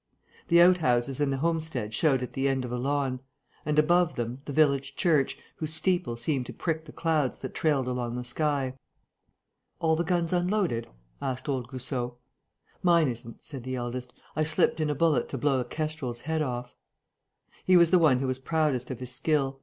The outhouses and the homestead showed at the end of a lawn; and, above them, the village church, whose steeple seemed to prick the clouds that trailed along the sky. "All the guns unloaded?" asked old Goussot. "Mine isn't," said the eldest. "I slipped in a bullet to blow a kestrel's head off...." He was the one who was proudest of his skill.